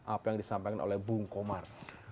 apa yang disampaikan oleh bu ngkomar